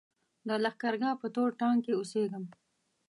د لښکرګاه په تور ټانګ کې اوسېدم.